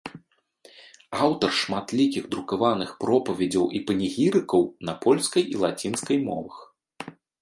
Аўтар шматлікіх друкаваных пропаведзяў і панегірыкаў на польскай і лацінскай мовах.